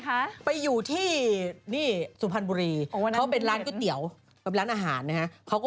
เค้าอยู่ที่สุภัณฑ์บุรีเค้าเป็นร้านก๋วยเตี๋ยวร้านอาหารนะฮะ